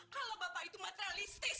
kalau bapak itu materialismu